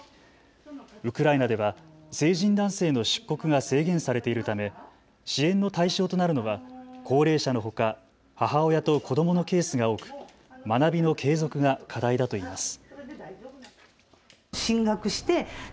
ウクライナでは成人男性の出国が制限されているため支援の対象となるのは高齢者のほか母親と子どものケースが多く学びの継続が課題だといいます。